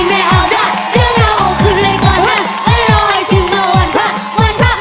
ไม่อยากเป็นรักไม้แห้งใต้โดยดา